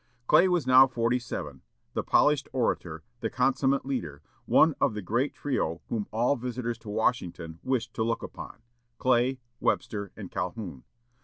Clay was now forty seven, the polished orator, the consummate leader, one of the great trio whom all visitors to Washington wished to look upon: Clay, Webster, and Calhoun.